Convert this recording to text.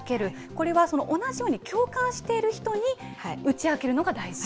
これは同じように共感している人に打ち明けるのが大事。